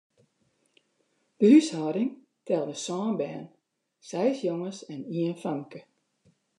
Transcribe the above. De húshâlding telde sân bern, seis jonges en ien famke.